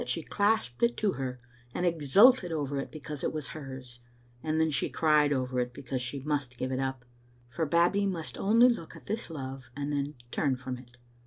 she clasped it to her, and exulted over it because it was hers, and then she cried over it because she must give it up. For Babbie must only look at this love and then turn from it.